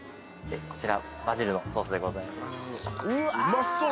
こちらバジルのソースでございます。